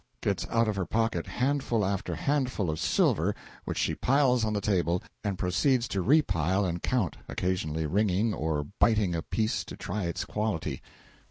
(Gets out of her pocket handful after handful of silver, which she piles on the table, and proceeds to repile and count, occasionally ringing or biting a piece to try its quality.)